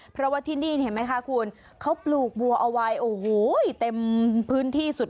เพราะว่าที่นี่เห็นไหมคะคุณเขาปลูกบัวเอาไว้โอ้โหเต็มพื้นที่สุด